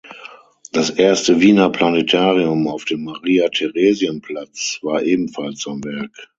Das erste Wiener Planetarium auf dem Maria-Theresien-Platz war ebenfalls sein Werk.